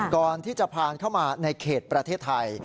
ก่อนที่จะผ่านเข้ามาในเขตประเทศไทย